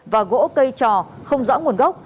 và gỗ cây trò không rõ nguồn gốc